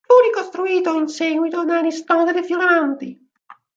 Fu ricostruito in seguito da Aristotele Fioravanti.